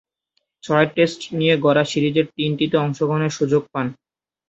ছয়-টেস্ট নিয়ে গড়া সিরিজের তিনটিতে অংশগ্রহণের সুযোগ পান।